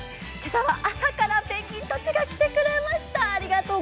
朝からペンギンたちが来てくれました。